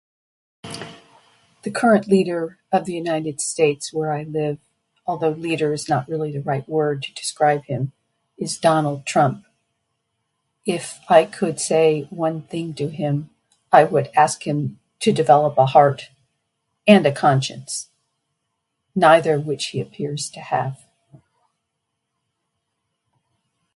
the current leader of the united states where I live, although leader is not really the right word to describe him, is Donald Trump. If I could say one thing to him I would ask him to develop a heart... and a conscience, neither of which he appears to have